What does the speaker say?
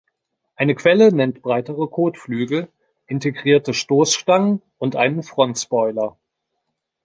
Eine Quelle nennt breitere Kotflügel, integrierte Stoßstangen und einen Frontspoiler.